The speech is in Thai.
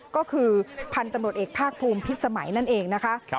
ก็คือพันธุ์ตำรวจเอกภาคภูมิพิษสมัยนั่นเองนะคะ